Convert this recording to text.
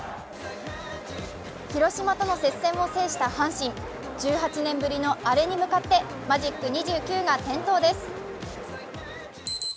広島との接戦を制した阪神、１８年ぶりのアレに向かってマジック２９が点灯です。